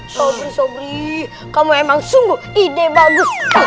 sobri sobri kamu emang sungguh ide bagus